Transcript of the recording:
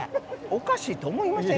おかしいと思いませんか？